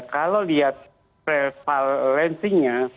kalau lihat prevalensinya